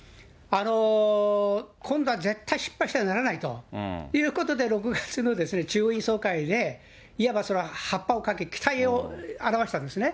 今度は絶対失敗してはならないということで、６月の中央委員総会でいわばはっぱをかけ、期待を表したんですね。